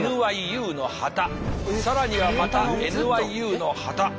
更にはまたＮＹＵの旗。